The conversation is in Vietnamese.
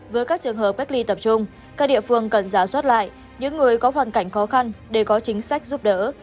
với các trường hợp cách ly tập trung các địa phương cần giả soát lại những người có hoàn cảnh khó khăn để có chính sách giúp đỡ